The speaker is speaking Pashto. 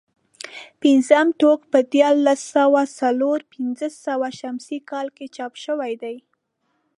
پنځم ټوک په دیارلس سوه څلور پنځوس شمسي کال کې چاپ شوی دی.